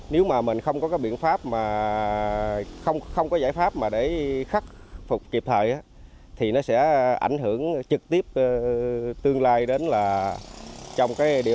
nếu không có giải pháp để khắc phục kịp thời thì sẽ ảnh hưởng trực tiếp tương lai đến trong địa